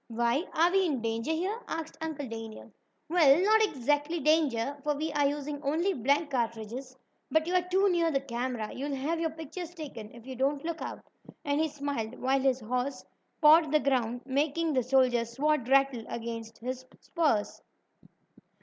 "Why, are we in danger here?" asked Uncle Daniel. "Well, not exactly danger, for we are using only blank cartridges. But you are too near the camera. You'll have your pictures taken if you don't look out," and he smiled, while his horse pawed the ground, making the soldier's sword rattle against his spurs.